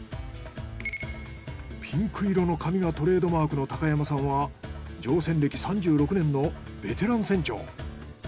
ピンク色の髪がトレードマークの高山さんは乗船歴３６年のベテラン船長。